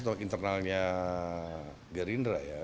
atau internalnya gerindra ya